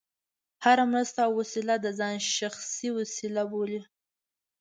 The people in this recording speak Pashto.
هره مرسته او وسیله د ځان شخصي وسیله بولي.